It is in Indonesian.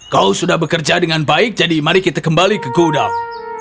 kau sudah bekerja dengan baik jadi mari kita kembali ke gudang